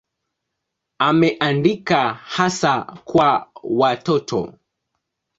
Ameandika hasa kwa watoto.